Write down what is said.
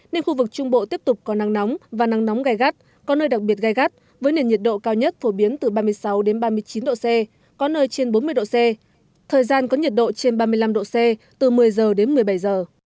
nên khu vực trung bộ tiếp tục có nắng nóng và nắng nóng gai gắt có nơi đặc biệt gai gắt với nền nhiệt độ cao nhất phổ biến từ ba mươi sáu đến ba mươi chín độ c có nơi trên bốn mươi độ c thời gian có nhiệt độ trên ba mươi năm độ c từ một mươi giờ đến một mươi bảy giờ